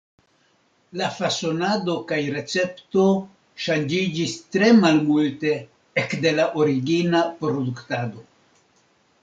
La fasonado kaj recepto ŝanĝiĝis tre malmulte ekde la origina produktado.